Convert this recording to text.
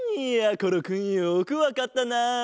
ころくんよくわかったな。